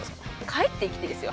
帰ってきてですよ